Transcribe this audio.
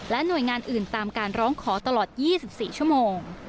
หน่วยงานอื่นตามการร้องขอตลอด๒๔ชั่วโมง